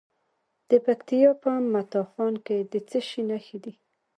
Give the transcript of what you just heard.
د پکتیکا په متا خان کې د څه شي نښې دي؟